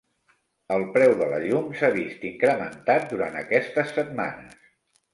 El preu de la llum s'ha vist incrementat durant aquestes setmanes.